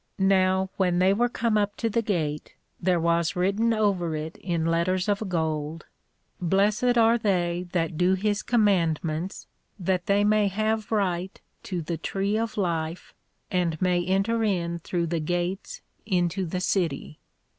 Now when they were come up to the Gate, there was written over it in Letters of Gold, _Blessed are they that do his Commandments, that they may have right to the Tree of Life, and may enter in through the Gates into the City_.